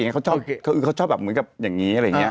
เขาชอบเหมือนกับอย่างงี้อะไรอย่างเงี้ย